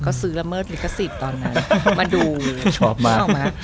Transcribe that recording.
ก็ซื้อละเมิดลิกสิตตอนนั้นมาดูชอบมาก